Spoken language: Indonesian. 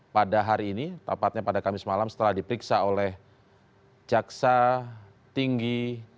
pada hari ini tepatnya pada kamis malam setelah diperiksa oleh jaksa tinggi